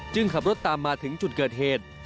ขับรถตามมาถึงจุดเกิดเหตุ